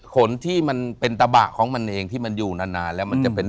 ขนที่มันเป็นตะบะของมันเองที่มันอยู่นานแล้วมันจะเป็น